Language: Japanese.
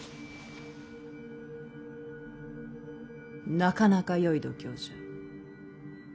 なかなかよい度胸じゃ。